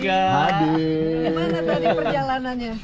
gimana tadi perjalanannya